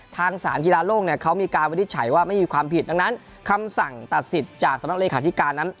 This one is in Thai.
ทางสารกีฬาโลกเนี่ยเขามีการวินิจฉัยว่าไม่มีความผิดดังนั้นคำสั่งตัดสิทธิ์จากสำนักเลขาธิการนั้น